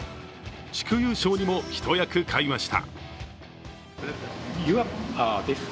地区優勝にも一役買いました。